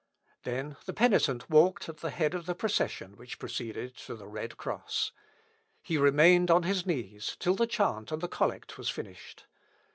Then the penitent walked at the head of the procession which proceeded to the red cross. He remained on his knees till the chant and the collect was finished.